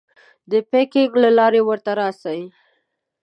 د پیکنګ له لارې ورته راسې.